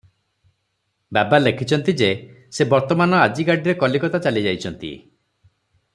"ବାବା ଲେଖିଚନ୍ତି ଯେ- ସେ ବର୍ତ୍ତମାନ ଆଜି ଗାଡ଼ିରେ କଲିକତା ଚାଲିଯାଇଚନ୍ତି ।